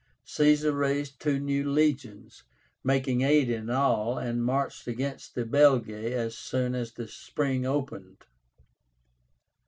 Caesar raised two new legions, making eight in all, and marched against the Belgae as soon as the spring opened.